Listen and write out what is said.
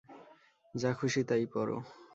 যা খুশি তাই পরো।